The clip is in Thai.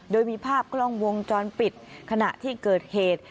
โดยมีภาพกล้องวงจรปิดขณะที่เกิดเหตุ